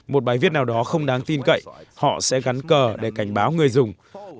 một bài viết nào đó không đáng tin cậy họ sẽ gắn cờ để cảnh báo người dùng